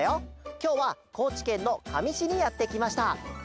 きょうはこうちけんのかみしにやってきました。